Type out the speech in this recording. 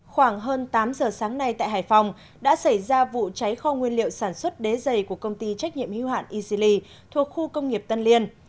khoảng hơn tám giờ sáng nay tại hải phòng đã xảy ra vụ cháy kho nguyên liệu sản xuất đế dày của công ty trách nhiệm hưu hạn isili thuộc khu công nghiệp tân liên